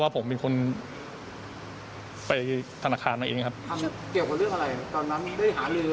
เกี่ยวกับเรื่องอะไรตอนนั้นได้หาเรื่องเกี่ยวกับเรื่องอะไร